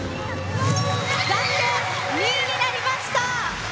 暫定２位になりました。